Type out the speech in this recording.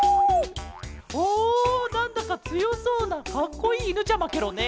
おなんだかつよそうなかっこいいいぬちゃまケロね。